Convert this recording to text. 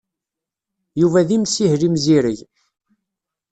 Yuba d imsihel imzireg.